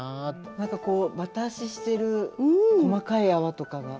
なんかこうバタ足してる細かい泡とかが。